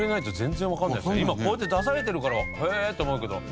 今こうやって出されてるからへえって思うけど。